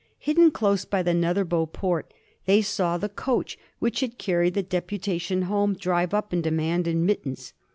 Hidden close by the Netherbow Port, they saw the coach which had carried the deputation home drive up and demand admittance.